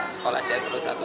sekolah simokerto satu